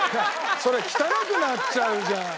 それ汚くなっちゃうじゃん。